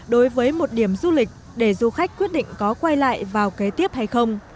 đối với một điểm du lịch để du khách quyết định có quay lại vào kế tiếp hay không